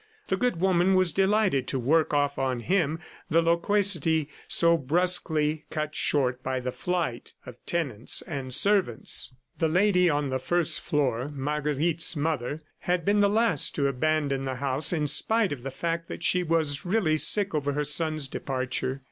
The good woman was delighted to work off on him the loquacity so brusquely cut short by the flight of tenants and servants. The lady on the first floor (Marguerite's mother) had been the last to abandon the house in spite of the fact that she was really sick over her son's departure.